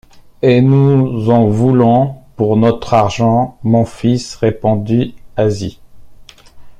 Et nous en voulons pour notre argent, mon fils, répondit Asie.